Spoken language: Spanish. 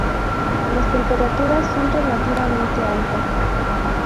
Las temperaturas son relativamente altas.